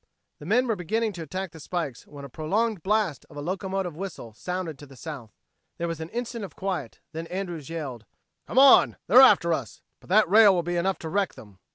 The men were beginning to attack the spikes when a prolonged blast of a locomotive whistle sounded to the south. There was an instant of quiet; then Andrews yelled: "Come on! They're after us, but that rail will be enough to wreck them!"